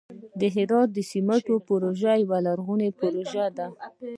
د هرات د سمنټو پروژه یوه لویه پروژه ده.